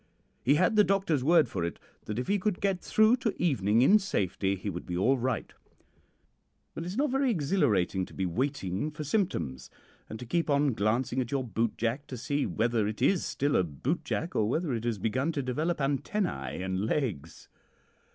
He had the doctor's word for it that if he could get through to evening in safety he would be all right; but it is not very exhilarating to be waiting for symptoms, and to keep on glancing at your bootjack to see whether it is still a bootjack or whether it has begun to develop antennae and legs.